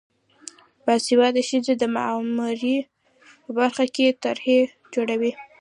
باسواده ښځې د معماری په برخه کې طرحې جوړوي.